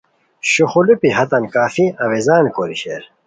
شوخولیپی ہیتان کافی اویزان کوری شیر